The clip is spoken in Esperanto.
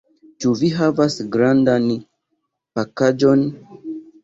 Ĉu vi havas grandan pakaĵon?